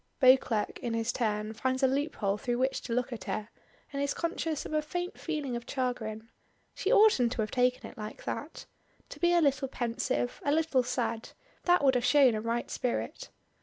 Beauclerk in his turn finds a loop hole through which to look at her, and is conscious of a faint feeling of chagrin. She oughtn't to have taken it like that. To be a little pensive a little sad that would have shewn a right spirit.